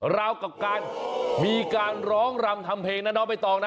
เรากับการมีการร้องรำทำเพลงนะเนาะบ๊ายตองนะ